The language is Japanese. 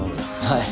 はい。